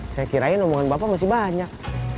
saya kirain omongan bapak masih banyak